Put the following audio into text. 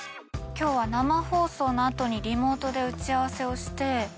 今日は生放送の後にリモートで打ち合わせをして。